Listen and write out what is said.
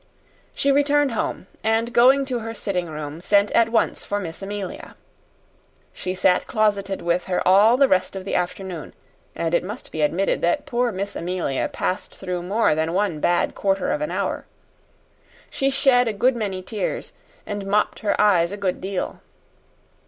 She returned home and, going to her sitting room, sent at once for Miss Amelia. She sat closeted with her all the rest of the afternoon, and it must be admitted that poor Miss Amelia passed through more than one bad quarter of an hour. She shed a good many tears, and mopped her eyes a good deal.